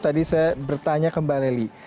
tadi saya bertanya ke mbak leli